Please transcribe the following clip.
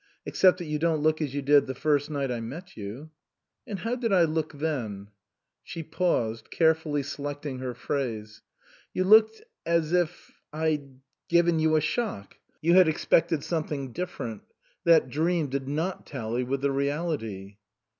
Except that you don't look as you did the first night I met you." " And how did I look then ?" She paused, carefully selecting her phrase. " You looked as if I'd given you a shock. You had expected something different. That dream did not tally with the reality."